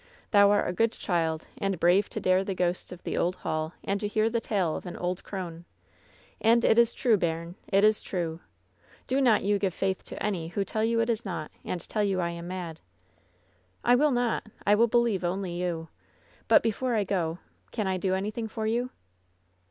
Thou art a good child, and brave to dare the ghosts of the old hall and to hear the tale of an old crone. And it is true, bairn ; it is true. Do not you give faith to any who tell you it is not and tell you I am mad.'' "I will not I will believe only you. But before I go tell me — can I do anything for you